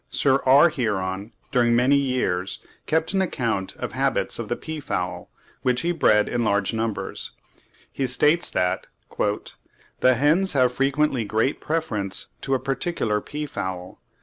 Sir R. Heron during many years kept an account of the habits of the peafowl, which he bred in large numbers. He states that "the hens have frequently great preference to a particular peafowl.